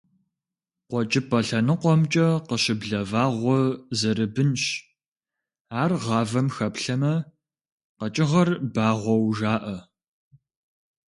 Къуэкӏыпӏэ лъэныкъуэмкӏэ къыщыблэ вагъуэ зэрыбынщ, ар гъавэм хэплъэмэ, къэкӏыгъэр багъуэу жаӏэ.